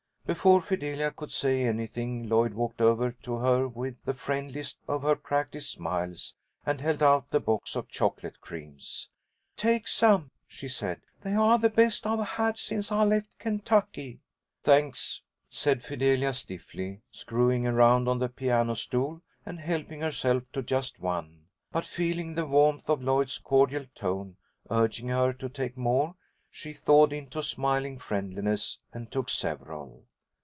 Before Fidelia could say anything, Lloyd walked over to her with the friendliest of her practised smiles, and held out the box of chocolate creams. "Take some," she said. "They are the best I've had since I left Kentucky." "Thanks," said Fidelia, stiffly, screwing around on the piano stool, and helping herself to just one. But feeling the warmth of Lloyd's cordial tone, urging her to take more, she thawed into smiling friendliness, and took several.